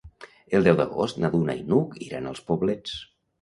El deu d'agost na Duna i n'Hug iran als Poblets.